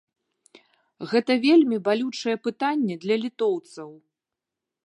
Гэта вельмі балючае пытанне для літоўцаў.